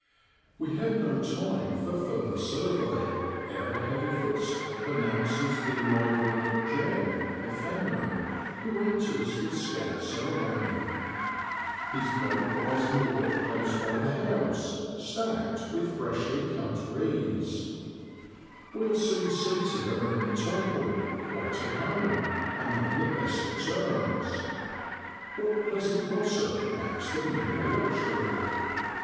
We have no time for further survey ere a heavy footstep announces the arrival of l Jem 'the fenman, who enters with scant ceremony. His boat lies 22 FEBRUARY IN BROADLAND. moored close by the house, stacked with freshly cut reeds. We are soon seated around the table, 'quite at home,' and on the best of terms. What pleasant gossip makes the meal a luxury!